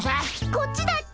こっちだっけ？